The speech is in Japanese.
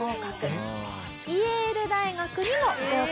イェール大学にも合格。